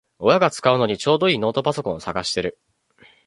親が使うのにちょうどいいノートパソコンを探してる